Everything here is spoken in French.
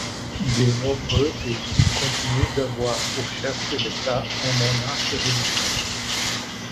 De nombreux pays continuent d'avoir pour chef de l'État un monarque héréditaire.